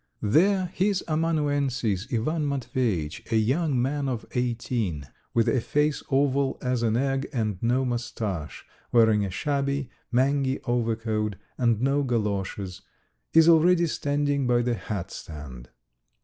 There his amanuensis Ivan Matveyitch, a young man of eighteen, with a face oval as an egg and no moustache, wearing a shabby, mangy overcoat and no goloshes, is already standing by the hatstand.